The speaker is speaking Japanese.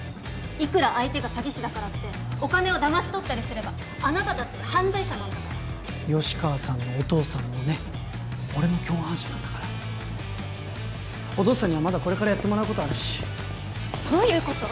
いくら相手が詐欺師だからってお金をだまし取ったりすればあなただって犯罪者なんだから吉川さんのお父さんもね俺の共犯者なんだからお父さんにはまだこれからやってもらうことあるしどういうこと？